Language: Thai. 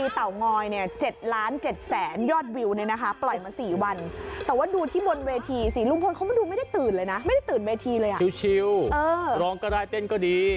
กลับไปที่เดียวกันหลับกับใจน้องโมง